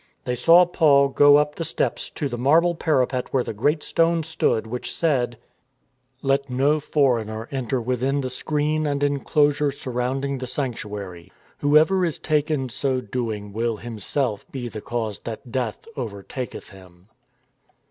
They saw Paul go up the ^ See chapter xvi. " AWAY WITH HIM " 291 steps to the marble parapet where the great stone stood which said : LET NO FOREIGNER ENTER WITHIN THE SCREEN AND ENCLOSURE SUR ROUNDING THE SANCTUARY. WHOSO EVER IS TAKEN SO DOING WILL HIM SELF BE THE CAUSE THAT DEATH OVERTAKETH HIM.